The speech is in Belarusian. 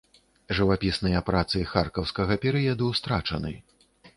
Жывапісныя працы харкаўскага перыяду страчаны.